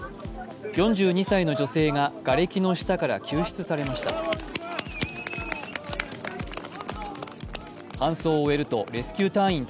４２歳の女性ががれきの下から救出されました。